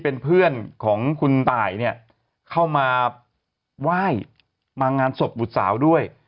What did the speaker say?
เป็นเพื่อนของคุณตายเนี่ยเข้ามาไหว้มางานศพบุตรสาวด้วย